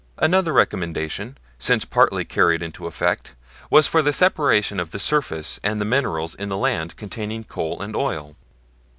Another recommendation, since partly carried into effect, was for the separation of the surface and the minerals in lands containing coal and oil.